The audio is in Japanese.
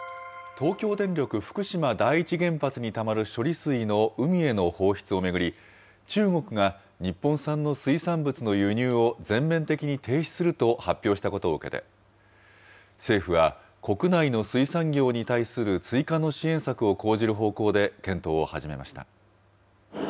東京電力福島第一原発にたまる処理水の海への放出を巡り、中国が日本産の水産物の輸入を全面的に停止すると発表したことを受けて、政府は国内の水産業に対する追加の支援策を講じる方向で検討を始めました。